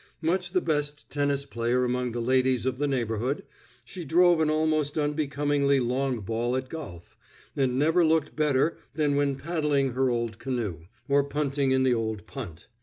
Much the best tennis player among the ladies of the neighborhood, she drove an almost unbecomingly long ball at golf, and never looked better than when paddling her old canoe, or punting in the old punt.